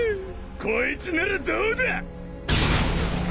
こいつならどうだ！